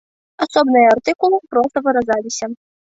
Асобныя артыкулы проста выразаліся.